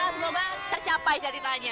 semoga tersiapai ceritanya